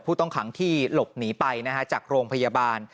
ผู้ต้องขังที่หลบหนีไปจากโรงพยาบาล